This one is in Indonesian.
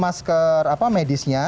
masker apa medisnya